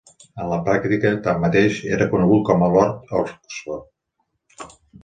En la pràctica, tanmateix, era conegut com a Lord Oxford.